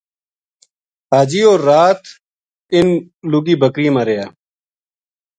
حاجی ہور رات اِنھ لُگی بکریاں ما رہیا